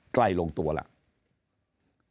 ใกล้ลงตัวแล้ว